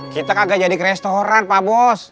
kita kagak jadi restoran pak bos